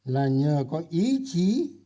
là nhờ có ý chí